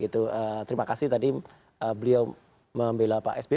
terima kasih tadi beliau membela pak sby